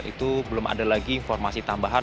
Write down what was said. itu belum ada lagi informasi tambahan